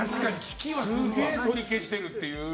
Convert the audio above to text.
すげえ取り消してるっていう。